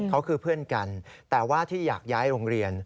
เขาคือเพื่อนกันแต่ว่าที่อยากย้ายโรงเรียน